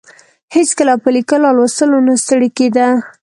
هېڅکله په لیکلو او لوستلو نه ستړې کیده.